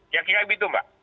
kira kira begitu mbak